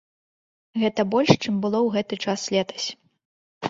Гэта больш, чым было ў гэты час летась.